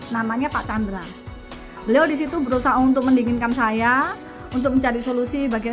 namanya pak chandra beliau disitu berusaha untuk mendinginkan saya untuk mencari solusi bagian